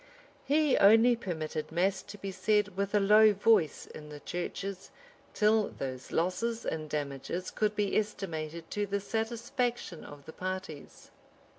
He only permitted mass to be said with a low voice in the churches, till those losses and damages could be estimated to the satisfaction of the parties.